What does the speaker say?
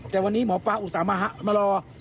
แต่วันนี้หมอปลาอุตส่าหมามารอ